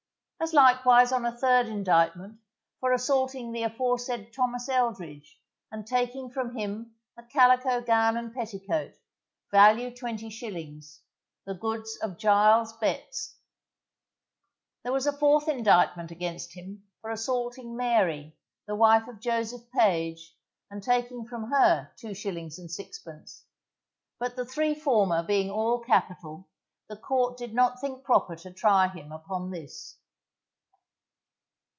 As likewise on a third indictment, for assaulting the aforesaid Thomas Eldridge, and taking from him a calico gown and petticoat, value twenty shillings, the goods of Giles Betts. There was a fourth indictment against him for assaulting Mary, the wife of Joseph Page, and taking from her two shillings and sixpence, but the three former being all capital, the court did not think proper to try him upon this.